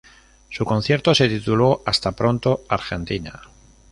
Su concierto se tituló "Hasta pronto Argentina!".